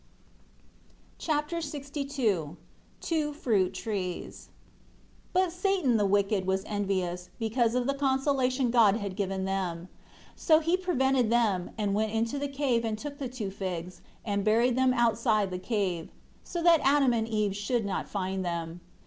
Chapter LXII Two fruit trees. 1 But Satan the wicked was envious, because of the consolation God had given them. 2 So he prevented them, and went into the cave and took the two figs, and buried them outside the cave, so that Adam and Eve should not find them.